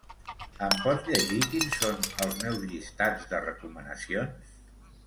Em pots llegir quins són els meus llistats de recomanacions?